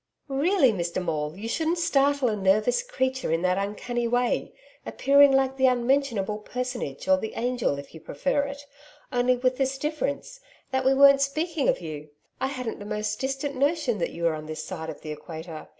'Really, Mr Maule, you shouldn't startle a nervous creature in that uncanny way appearing like the unmentionable Personage or the angel if you prefer it, only with this difference, that we weren't speaking of you. I hadn't the most distant notion that you were on this side of the equator.